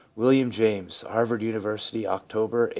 WILLIAM JAMES. Harvard University, October 1899.